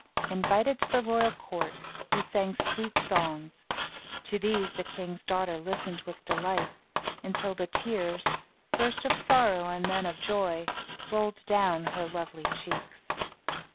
Invited to the royal court, he sang sweet songs. To these the king's daughter listened with delight, until the tears, first of sorrow and then of joy, rolled down her lovely cheeks.